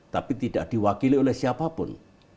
tapi tidak diwakili oleh siapapun